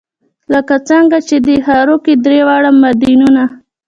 لکه څنګه چې دې ښار کې درې واړه دینونه.